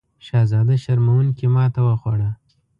شهزاده شرموونکې ماته وخوړه.